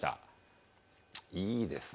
いいですね。